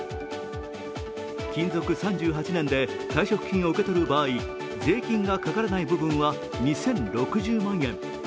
勤続３８年で退職金を受け取る場合税金がかからない部分は２０６０万円。